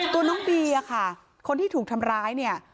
ตัวน้องบีค่ะคนที่ถูกทำร้ายเนี่ย